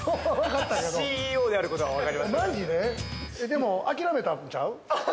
でも諦めたんちゃう？